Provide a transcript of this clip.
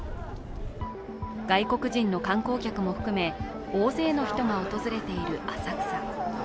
外国人の観光客も含め、大勢の人が訪れている浅草。